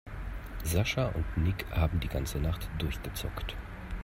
Sascha und Nick haben die ganze Nacht durchgezockt.